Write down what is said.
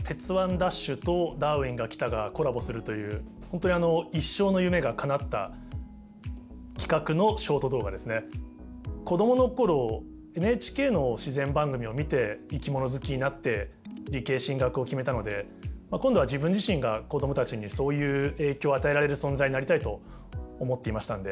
ＤＡＳＨ！！」と「ダーウィンが来た！」がコラボするという本当に子供の頃ＮＨＫの自然番組を見て生き物好きになって理系進学を決めたので今度は自分自身が子供たちにそういう影響を与えられる存在になりたいと思っていましたので。